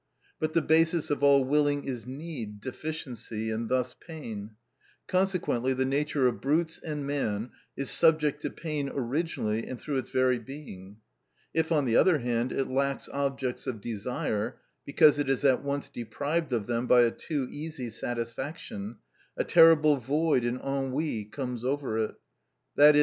But the basis of all willing is need, deficiency, and thus pain. Consequently, the nature of brutes and man is subject to pain originally and through its very being. If, on the other hand, it lacks objects of desire, because it is at once deprived of them by a too easy satisfaction, a terrible void and ennui comes over it, _i.e.